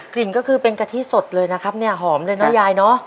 ก็คือเป็นกะทิสดเลยนะครับเนี่ยหอมเลยนะยายเนอะ